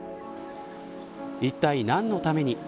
いったい何のために。